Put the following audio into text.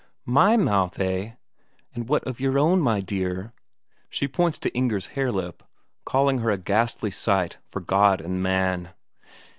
"My mouth, eh? And what of your own, my dear?" She points to Inger's hare lip, calling her a ghastly sight for God and man.